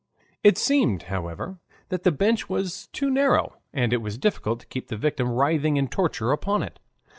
It seemed, however, that the bench was too narrow, and it was difficult to keep the victim writhing in torture upon it.